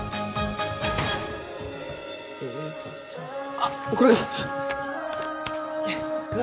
あっこれか。